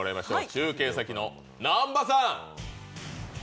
中継先の南波さん！